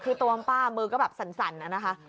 คือตัวหมอปลามือก็แบบสั่นน่ะนะคะ